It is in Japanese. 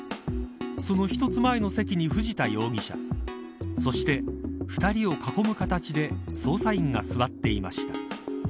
その１つ前の席に藤田容疑者そして、２人を囲む形で捜査員が座っていました。